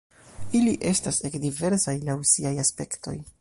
Ili estas ege diversaj laŭ siaj aspektoj.